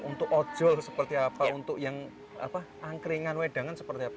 untuk ojol seperti apa untuk yang angkringan wedangan seperti apa